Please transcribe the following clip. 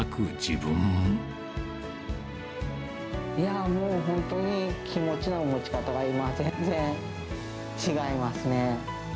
いや、もう本当に、気持ちの持ち方が今、全然違いますね。